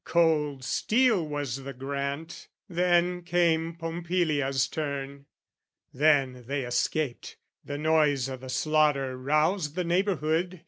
Cold steel was the grant. Then came Pompilia's turn. Then they escaped. The noise o' the slaughter roused the neighbourhood.